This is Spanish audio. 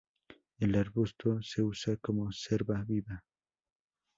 El arbusto se usa como cerca viva.